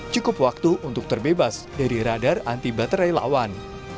cukup waktu untuk terbebas dari radar anti baterai lawan